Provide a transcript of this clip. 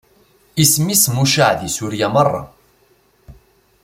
Isem-is mucaɛ di Surya meṛṛa.